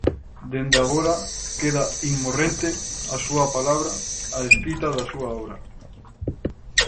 Dende agora queda, inmorrente, a súa palabra, a escrita da súa obra.